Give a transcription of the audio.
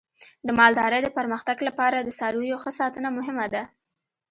د مالدارۍ د پرمختګ لپاره د څارویو ښه ساتنه مهمه ده.